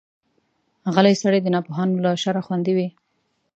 غلی سړی، د ناپوهانو له شره خوندي وي.